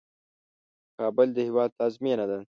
کابل د هیواد پلازمېنه ده.